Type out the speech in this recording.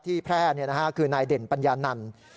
ที่แพร่นี่นะฮะคือนายเด่นปัญญานัน